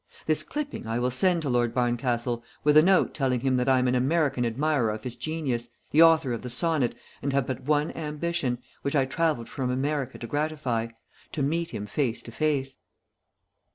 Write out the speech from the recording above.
This clipping I will send to Lord Barncastle with a note telling him that I am an American admirer of his genius, the author of the sonnet, and have but one ambition, which I travelled from America to gratify to meet him face to face."